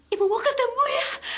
ibu mau ketemu ya